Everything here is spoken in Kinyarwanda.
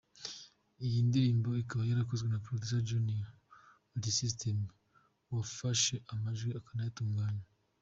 Iyi ndirimbo ikaba yarakozwe na producer Junior Multisystem wafashe amajwi akanayatunganya.